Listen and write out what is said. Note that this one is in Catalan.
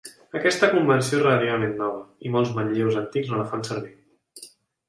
Aquesta convenció és relativament nova, i molts manlleus antics no la fan servir.